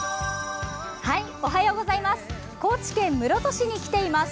おはようございます。